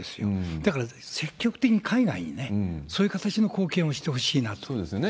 だから、積極的に海外にね、そういう形の貢献をしてほしいなと思いますね。